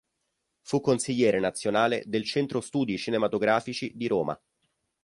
Fu consigliere nazionale del Centro Studi Cinematografici di Roma.